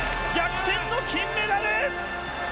逆転の金メダル！